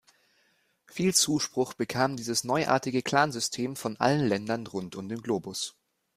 Viel Zuspruch bekam dieses neuartige Clansystem von allen Ländern rund um den Globus.